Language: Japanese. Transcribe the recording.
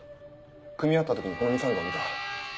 組み合った時にこのミサンガを見た。